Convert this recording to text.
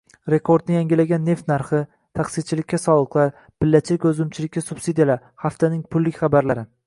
Rekordni yangilagan neft narxi, taksichilikka soliqlar, pillachilik va uzumchilikka subsidiyalar – haftaning «pullik» xabarlari